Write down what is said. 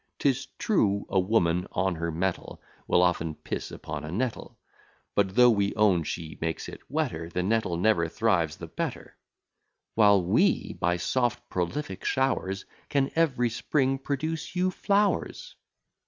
'Tis true, a woman on her mettle Will often piss upon a nettle; But though we own she makes it wetter, The nettle never thrives the better; While we, by soft prolific showers, Can every spring produce you flowers.